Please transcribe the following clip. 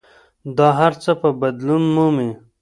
دا هر څه به بدلون مومي.